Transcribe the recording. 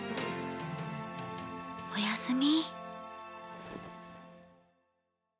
おやすみ。